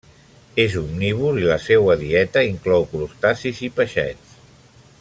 És omnívor i la seua dieta inclou crustacis i peixets.